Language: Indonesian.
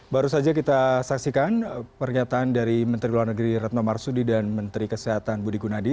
baru saja kita saksikan pernyataan dari menteri luar negeri retno marsudi dan menteri kesehatan budi gunadi